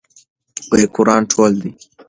قرآن ټولو ته دی.